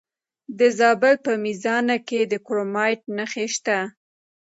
د زابل په میزانه کې د کرومایټ نښې شته.